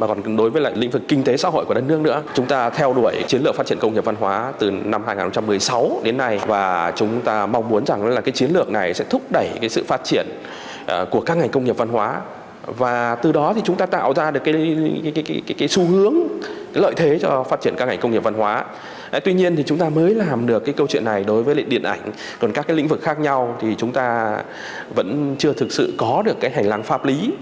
còn các cái lĩnh vực khác nhau thì chúng ta vẫn chưa thực sự có được cái hành lăng pháp lý